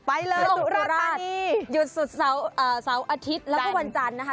ไปเลยสุราธานีหยุดสุดเสาร์อาทิตย์แล้วก็วันจันทร์นะคะ